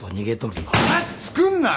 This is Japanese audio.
話作んなよ！